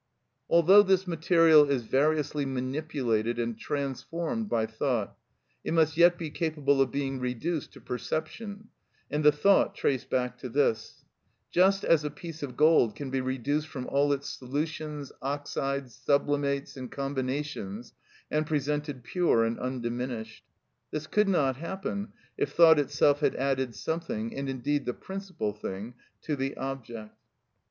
Although this material is variously manipulated and transformed by thought, it must yet be capable of being reduced to perception, and the thought traced back to this—just as a piece of gold can be reduced from all its solutions, oxides, sublimates, and combinations, and presented pure and undiminished. This could not happen if thought itself had added something, and, indeed, the principal thing, to the object.